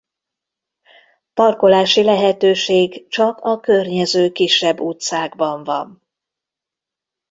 Parkolási lehetőség csak a környező kisebb utcákban van.